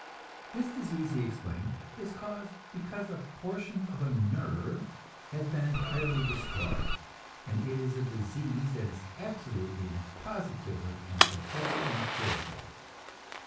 This disease, he explained, is caused because a portion of a nerve has been entirely destroyed, and it is a disease that is absolutely and positively and forever incurable.